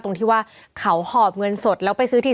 ตรงที่ว่าเขาหอบเงินสดแล้วไปซื้อที่